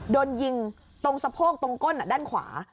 โดนยิงตรงสะโพกตรงก้นด้านขวา